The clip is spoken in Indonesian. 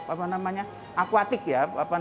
apa namanya itu menyebabkan keguguran